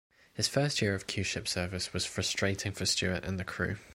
His first year of Q-ship service was frustrating for Stuart and the crew.